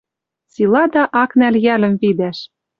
Силада ак нӓл йӓлӹм видӓш.